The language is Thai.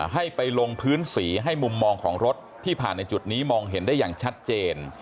ให้ไปลงพื้นสีให้มุมมองของรถที่ผ่านในจุดนี้มองเห็นได้อย่างชัดเจน